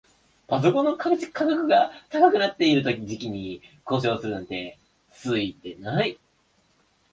パソコンの価格が高くなってる時期に故障するなんてツイてない